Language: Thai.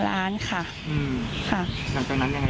หลังจากนั้นยังไงต่อ